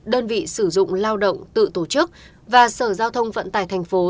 đơn vị sử dụng lao động tự tổ chức và sở giao thông vận tải thành phố